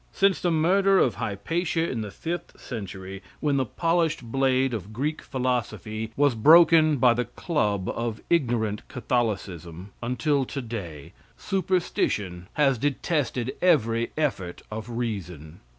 Since the murder of Hypatia in the fifth century, when the polished blade of Greek philosophy was broken by the club of ignorant Catholicism, until today, superstition has detested every effort of reason.